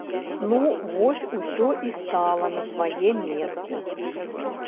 Ну вось усё і стала на свае месцы.